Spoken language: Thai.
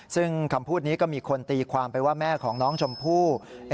ซึ่งคำพูดนี้ก็มีคนตีความไปว่าแม่ของน้องชมพู่